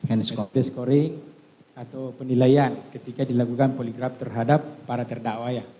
andescoring atau penilaian ketika dilakukan poligraf terhadap para terdakwa ya